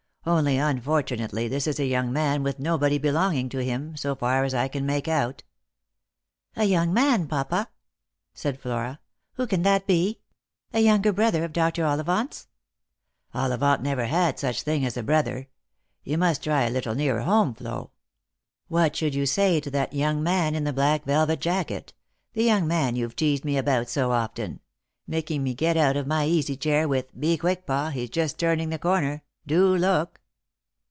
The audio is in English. Only, unfortunately, this is a young man with nobody belonging to him, so far as I can make out." " A young man, papa !" said Flora. " Who can that be ? A younger brother of Dr. Ollivant's?" " Ollivant never had such a thing as a brother. You must try a little nearer home, Flo. What should you say to that young man in the black velvet jacket — the young man you've teased me about so often — making me get out of my easy chair with ' Be quick, pa, he's just turning the corner ; do look